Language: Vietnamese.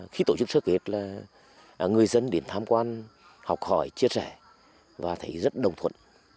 khi tổ chức trước hết là người dân đến tham quan học hỏi chia sẻ và thấy rất đồng thuận